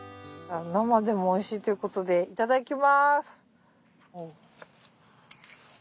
生でもおいしいっていうことでいただきます。